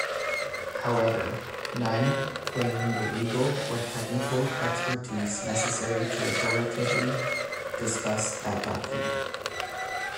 However, none claim the legal or technical expertise necessary to authoritatively discuss that document.